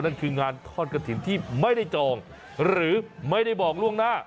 นั่นคืองานทอดกระถิ่นที่ไม่ได้จองหรือไม่ได้บอกล่วงหน้า